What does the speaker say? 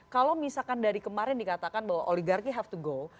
kalau misalkan dari kemarin dikatakan bahwa oligarki have to go